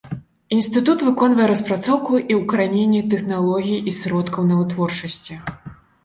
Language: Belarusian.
Інстытут выконвае распрацоўку і ўкараненне тэхналогій і сродкаў на вытворчасці.